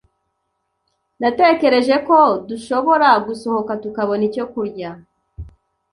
Natekereje ko dushobora gusohoka tukabona icyo kurya.